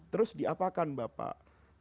terus diapakan bapak